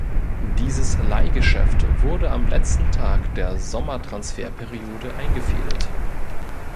Dieses Leihgeschäft wurde am letzten Tag der Sommertransferperiode eingefädelt.